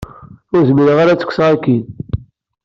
Ur zmireɣ ara ad t-kkseɣ akin.